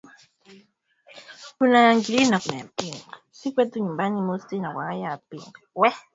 Cleopatra hakuwa na udanganyifu ingawa na aliamua kuvuta moja juu ya mpenzi wake